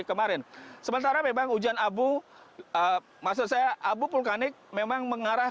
kemarin sementara memang hujan abu maksud saya abu vulkanik memang menurun dengan sangat berat